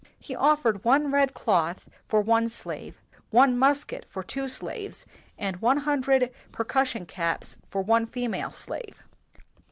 He offered one red cloth for one slave ; one musket for two slaves ; and one hundred percussion caps for one female slave.